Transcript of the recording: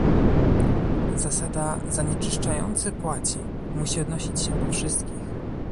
Zasada "zanieczyszczający płaci" musi odnosić się do wszystkich